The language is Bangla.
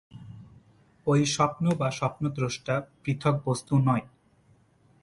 ঐ স্বপ্ন বা স্বপ্নদ্রষ্টা পৃথক বস্তু নয়।